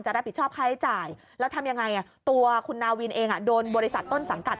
รับผิดชอบค่าใช้จ่ายแล้วทำยังไงตัวคุณนาวินเองโดนบริษัทต้นสังกัด